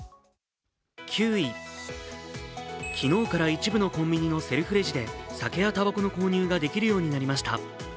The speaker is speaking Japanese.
９位、昨日から一部のコンビニのセルフレジで酒やたばこの購入ができるようになりました。